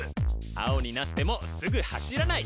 青になってもすぐ走らない！